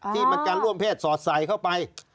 ที่มันจะร่วมเพศสอดใส่เข้าไป